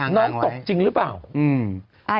น้องตกจริงหรือเปล่า